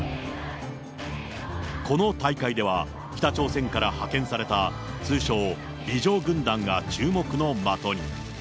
この大会では、北朝鮮から派遣された通称、美女軍団が注目の的に。